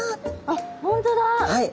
あっ本当だ。